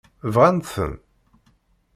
Bɣan-ten?